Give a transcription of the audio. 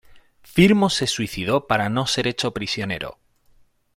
Firmo se suicidó para no ser hecho prisionero.